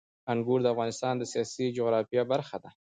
انګور د افغانستان د سیاسي جغرافیه برخه ده.